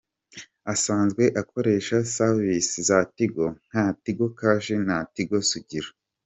Asanzwe akoresha service za Tigo nka Tigo Cash, na Tigo Sugira.